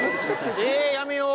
もうえやめよう